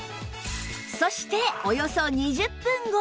そしておよそ２０分後